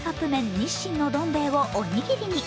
日清のどん兵衛をおにぎりに。